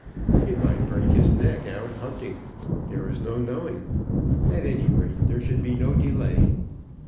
"He might break his neck out hunting. There is no knowing. At any rate there should be no delay.